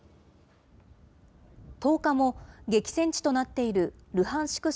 １０日も、激戦地となっているルハンシク